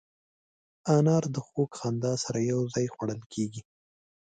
انار د خوږ خندا سره یو ځای خوړل کېږي.